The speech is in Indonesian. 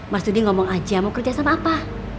mas tudi ngomong aja mau kerja sama apa